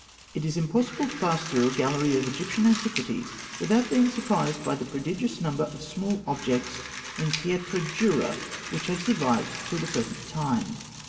] It is impossible to pass through a gallery of Egyptian antiquities without being surprised by the prodigious number of small objects in pietra dura which have survived till the present time.